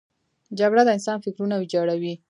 جګړه د انسان فکرونه ویجاړوي